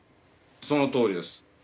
そのとおりです。